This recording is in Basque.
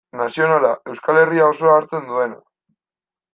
Nazionala, Euskal Herri osoa hartzen duena.